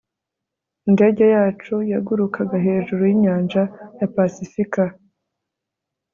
indege yacu yagurukaga hejuru yinyanja ya pasifika